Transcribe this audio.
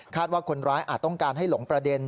ว่าคนร้ายอาจต้องการให้หลงประเด็น